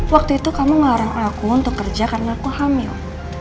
waktu itu kamu ngelarang oleh aku untuk kerja karena aku hamil